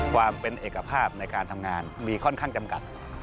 ความเป็นเอกภาพในการทำงานมีค่อนข้างจำกัด